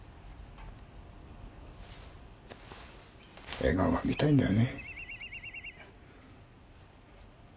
笑顔が見たいんだよね